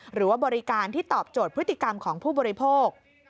หรือว่าบริการที่ตอบโจทย์พฤติกรรมของผู้บริโภค